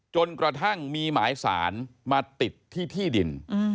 จนกระทั่งมีหมายสารมาติดที่ที่ดิน